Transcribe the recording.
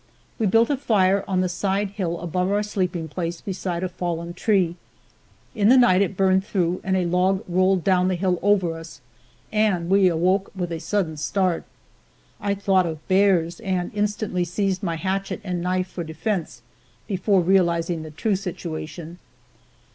We built a fire on the side hill above our sleeping place beside a fallen tree. In the night it burned through and a log rolled down the hill over us, and we awoke with a sudden start. I thought of bears and instantly seized my hatchet and knife for defense, before realizing the true situation.